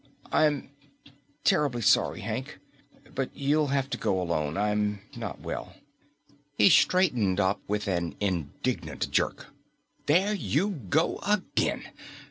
"I'm terribly sorry, Hank, but you'll have to go alone. I'm not well." He straightened up with an indignant jerk. "There you go again!